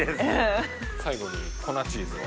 最後に粉チーズを。